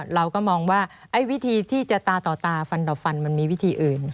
เราก็มองว่าไอ้วิธีที่จะตาต่อตาฟันต่อฟันมันมีวิธีอื่น